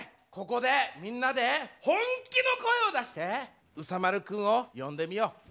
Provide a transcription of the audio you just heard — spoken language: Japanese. ここでみんなで本気の声を出してうさ丸くんを呼んでみよう。